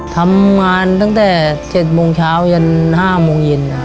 ทำงานตั้งแต่๗โมงเช้ายัน๕โมงเย็น